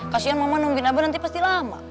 kasian mama nungguin abu nanti pasti lama